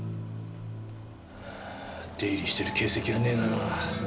出入りしてる形跡はねえな。